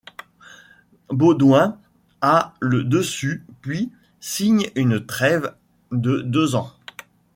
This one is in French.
Baudouin a le dessus puis signe une trêve de deux ans.